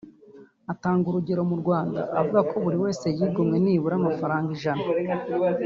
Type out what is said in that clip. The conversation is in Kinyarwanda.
Atanga urugero mu Rwanda avuga ko buri wese yigomwe nibura amafaranga ijana